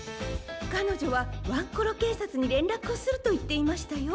かのじょはワンコロけいさつにれんらくをするといっていましたよ。